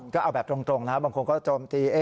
ก็เอาแบบตรงนะบางคนก็โจมตี